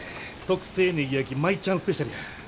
特製ネギ焼き舞ちゃんスペシャルや。